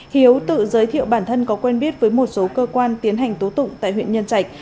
hiếu tự giới thiệu bản thân có quen biết với một số cơ quan tiến hành tố tụng tại huyện nhân trạch